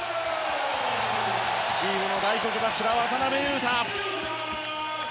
チームの大黒柱、渡邊雄太。